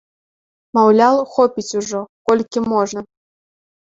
Маўляў, хопіць ужо, колькі можна!